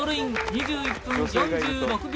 ２１分４６秒。